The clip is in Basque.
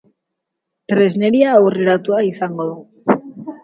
Tresneria aurreratua izango du.